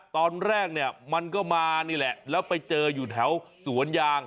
ตอนแรกเนี่ยมันก็มานี่แหละแล้วไปเจออยู่แถวสวนยาง